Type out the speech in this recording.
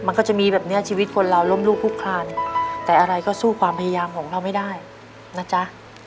มันก็จะมีแบบเนี้ยชีวิตคนเราล้มลูกคุกคลานแต่อะไรก็สู้ความพยายามของเราไม่ได้นะจ๊ะ